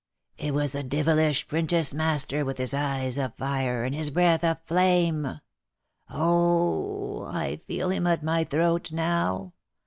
" It was the divilish 'printice master with his eyes of fire, and his breath of flame. Oh h! I feel him at my throat now